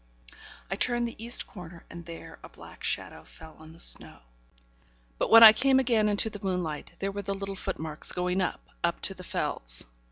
I turned the east corner, and there a black shadow fell on the snow; but when I came again into the moonlight, there were the little foot marks going up up to the Fells.